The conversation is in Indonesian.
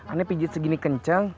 anak pijit segini kenceng